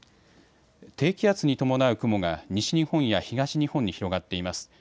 低気圧に伴う雲が西日本や東日本に広がっています。